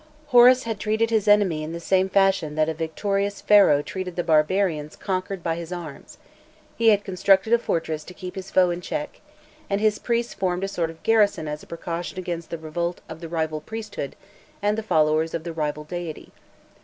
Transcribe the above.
[Illustration: 289.jpg] Horus had treated his enemy in the same fashion that a victorious Pharaoh treated the barbarians conquered by his arms: he had constructed a fortress to keep his foe in check, and his priests formed a sort of garrison as a precaution against the revolt of the rival priesthood and the followers of the rival deity.